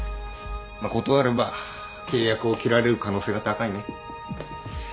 まっ断れば契約を切られる可能性が高いね。